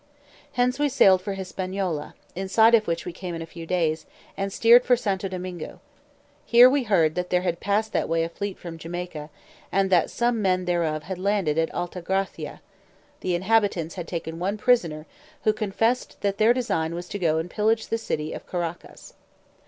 Hence we sailed for Hispaniola, in sight of which we came in a few days, and steered for Santo Domingo: here we heard that there had passed that way a fleet from Jamaica, and that some men thereof had landed at Alta Gracia; the inhabitants had taken one prisoner, who confessed their design was to go and pillage the city of Caraccas.